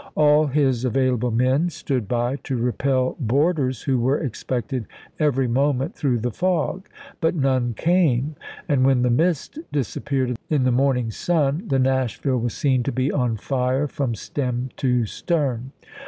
All his available men stood by to repel boarders who were expected every moment through the fog; but none came, and when the mist disappeared in the morning sun the Nashville was seen to be on fire from stem to stern.